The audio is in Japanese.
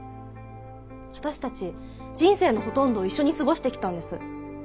私達人生のほとんどを一緒に過ごしてきたんです